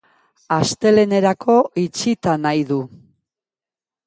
Astelehenerako itxita nahi du.